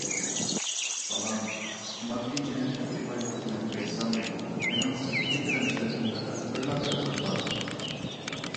بالام، ماددىي جەھەتتىكى بايلىقتىن ئېلىپ ئېيتسام، مېنىڭ سىرتتىكى تىلەمچىلەردىن پەقەت بىرلا پەرقىم بار.